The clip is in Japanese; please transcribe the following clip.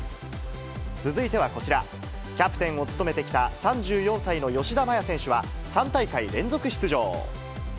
続いてはこちら、キャプテンを務めてきた３４歳の吉田麻也選手は、３大会連続出場。